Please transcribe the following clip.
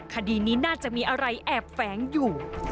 คดีนี้น่าจะมีอะไรแอบแฝงอยู่